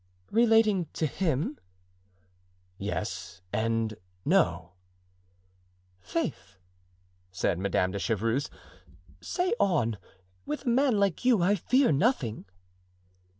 "Relating to him?" "Yes and no." "Faith!" said Madame de Chevreuse, "say on. With a man like you I fear nothing."